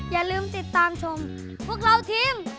อย่าลืมติดตามชมพวกเราทีม